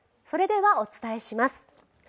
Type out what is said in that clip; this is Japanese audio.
それではお伝えします。